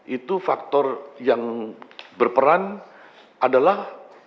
itu faktor yang berperan adalah